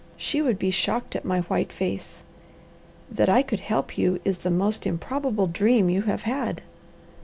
She would be shocked at my white face. That I could help you is the most improbable dream you have had."